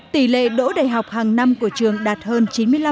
tỷ lệ đỗ đại học hàng năm của trường đạt hơn chín mươi năm